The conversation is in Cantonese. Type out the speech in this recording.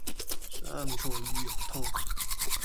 生菜魚肉湯